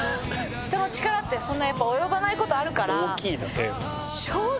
人の力ってそんなやっぱ及ばない事あるから。